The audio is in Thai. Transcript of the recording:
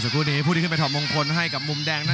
กรุงฝาพัดจินด้า